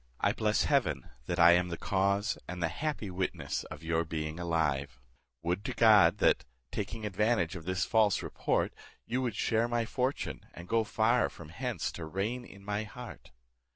I bless heaven that I am the cause, and the happy witness of your being alive; would to God, that, taking advantage of this false report, you would share my fortune, and go far from hence to reign in my heart!